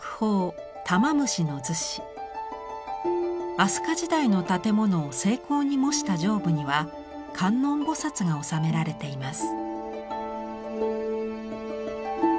飛鳥時代の建物を精巧に模した上部には観音菩が納められています。